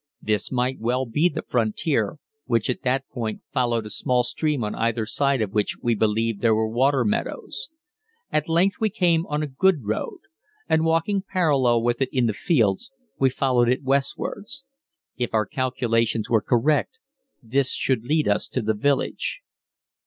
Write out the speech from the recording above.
This might well be the frontier, which at that point followed a small stream on either side of which we believed there were water meadows. At length we came on a good road, and walking parallel with it in the fields, we followed it westwards. If our calculations were correct, this should lead us to the village.